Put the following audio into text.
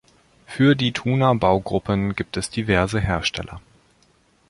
Für die Tuner-Baugruppen gibt es diverse Hersteller.